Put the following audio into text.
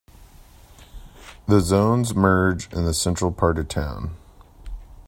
The zones merge in the central part of town.